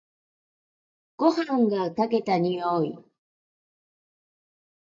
ごはんが炊けた匂い。